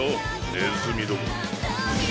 ネズミども。